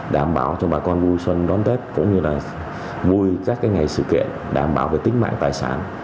đảm bảo cho bà con vui xuân đón tết cũng như là vui các ngày sự kiện đảm bảo về tính mạng tài sản